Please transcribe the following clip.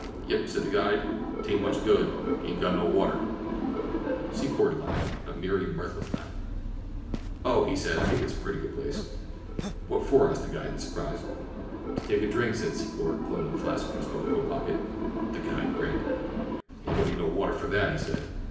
"Yep," said the guide. "'Tain't much good. You ain't got no water." Secor laughed—a weary, mirthless laugh. "Oh," he said, "I think it's a pretty good place." "Whafor?" asked the guide in surprise. "To take a drink," said Secor, pulling the flask from his overcoat pocket. The guide grinned. "An' you don't need no water for that," he said.